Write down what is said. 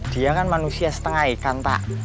dia kan manusia setengah ikan pak